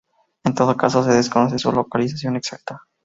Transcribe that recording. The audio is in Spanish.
En todo caso, se desconoce su localización exacta.